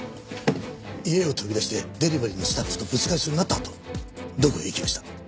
家を飛び出してデリバリーのスタッフとぶつかりそうになったあとどこへ行きました？